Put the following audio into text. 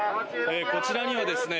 こちらにはですね